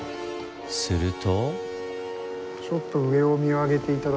すると。